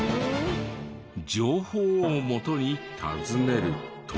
情報をもとに訪ねると。